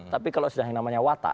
tapi kalau sudah yang namanya watak